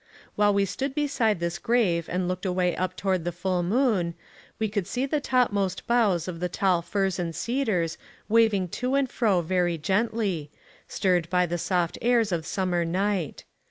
While we stood beside this grave and looked away up toward the full moon, we could see the topmost boughs of the tall firs and cedars waving to and fro very gently — stirred by the soft airs of summer night.